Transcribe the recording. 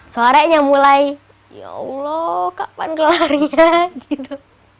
soalnya mulai ya allah kapan kelarinya gitu